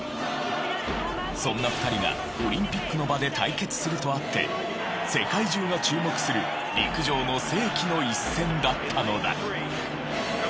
そんな２人がオリンピックの場で対決するとあって世界中が注目する陸上の世紀の一戦だったのだ。